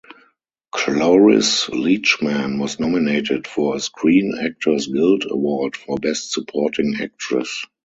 Cloris Leachman was nominated for a Screen Actors Guild Award for Best Supporting Actress.